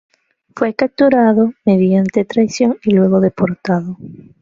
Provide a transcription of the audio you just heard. Fue capturado mediante traición y luego deportado.